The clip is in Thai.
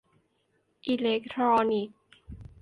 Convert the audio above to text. อิเล็กทรอนิกส์